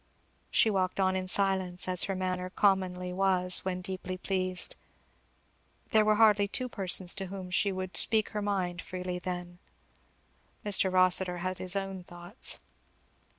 She walked on in silence, as her manner commonly was when deeply pleased; there were hardly two persons to whom she would speak her mind freely then. Mr. Kossitur had his own thoughts.